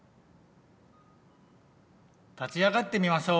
立ち上がってみましょう！